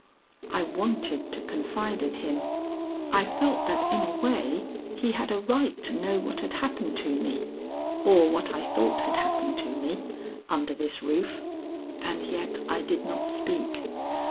I wanted to confide in him. I felt that in a way he had a right to know what had happened to me, or what I thought had happened to me, under this roof. And yet I did not speak.